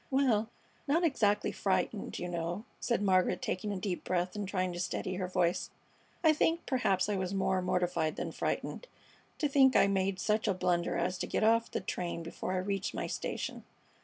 "Well, not exactly frightened, you know," said Margaret, taking a deep breath and trying to steady her voice. "I think perhaps I was more mortified than frightened, to think I made such a blunder as to get off the train before I reached my station.